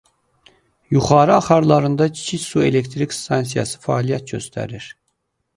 Yuxarı axarlarında kiçik su elektrik stansiyası fəaliyyət göstərir.